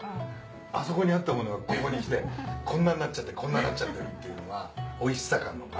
あそこにあったものがここに来てこんなんなっちゃってこんなんなっちゃってるっていうのが。